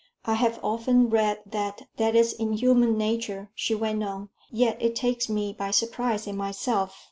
"I have often read that that is in human nature," she went on, "yet it takes me by surprise in myself.